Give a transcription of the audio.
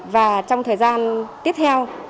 và trong thời gian tiếp theo